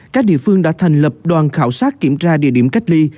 các địa phương đã thành lập đoàn khảo sát kiểm tra địa điểm cách ly